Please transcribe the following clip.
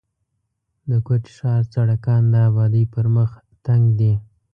د کوټي ښار سړکان د آبادۍ پر مخ تنګ دي.